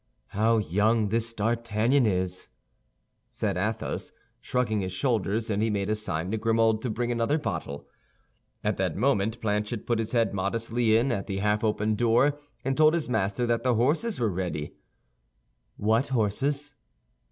"How young this D'Artagnan is!" said Athos, shrugging his shoulders; and he made a sign to Grimaud to bring another bottle. At that moment Planchet put his head modestly in at the half open door, and told his master that the horses were ready. "What horses?"